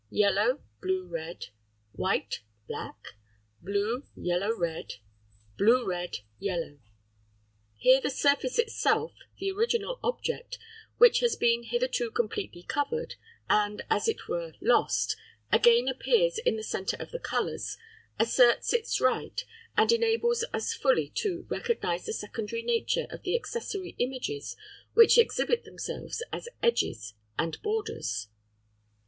Yellow. Blue red. White. Black. Blue. Yellow red. Blue red. Yellow. Here the surface itself, the original object, which has been hitherto completely covered, and as it were lost, again appears in the centre of the colours, asserts its right, and enables us fully to recognise the secondary nature of the accessory images which exhibit themselves as "edges" and "borders."